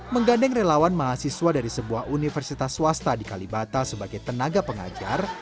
menggandeng relawan mahasiswa dari sebuah universitas swasta di kalibata sebagai tenaga pengajar